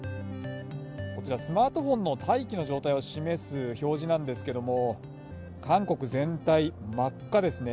こちら、スマートフォンの大気の状態を示す表示なんですけれども、韓国全体、真っ赤ですね。